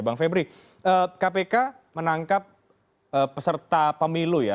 bang febri kpk menangkap peserta pemilu ya